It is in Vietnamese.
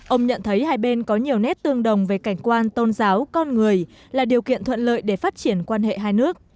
ông nhận thấy hai bên có nhiều nét tương đồng về cảnh quan tôn giáo con người là điều kiện thuận lợi để phát triển quan hệ hai nước